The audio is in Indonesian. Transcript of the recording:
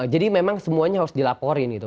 jadi memang semuanya harus dilaporin gitu